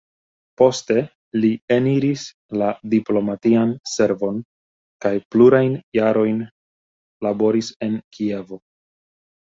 Poste li eniris la diplomatian servon kaj plurajn jarojn laboris en Kievo.